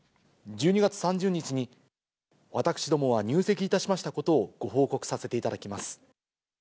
１２月３０日に、私どもは入籍いたしましたことを、ご報告させていただきます。